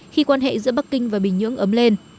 khi quan hệ giữa bắc kinh và bình nhưỡng ấm lên